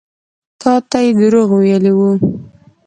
تا ته يې دروغ ويلي وو.